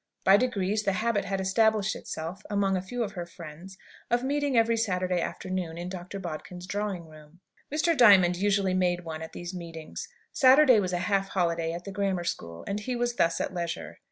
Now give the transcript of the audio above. By degrees the habit had established itself among a few of her friends, of meeting every Saturday afternoon in Dr. Bodkin's drawing room. Mr. Diamond usually made one at these meetings. Saturday was a half holiday at the Grammar School, and he was thus at leisure.